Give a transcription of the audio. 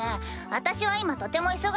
私は今とても忙しいの。